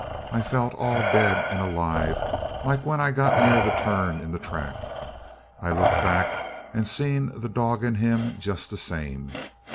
I felt all dead and alive like when I got near the turn in the track. I looked back and seen the dog and him just the same.